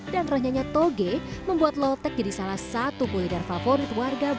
dan ranyanya toge membuat lotte jadi salah satu kuliner favorit warga bandung